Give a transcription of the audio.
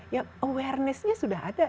ya awarenessnya sudah ada